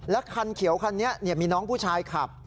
คันเขียวคันนี้มีน้องผู้ชายขับ